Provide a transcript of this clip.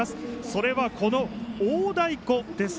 それは、この大太鼓です。